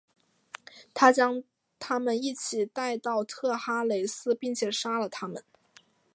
他将他们一起带到特哈雷斯并且杀了他们。